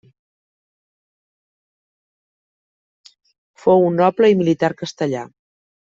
Fou un noble i militar castellà.